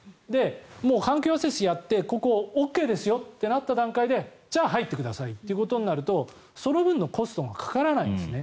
環境アセスやってここ、ＯＫですとなった段階でじゃあ入ってくださいということになるとその分のコストがかからないんですね。